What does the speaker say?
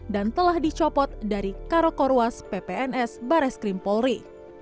dan telah dicopot dari karokorwas ppns bareskrim polri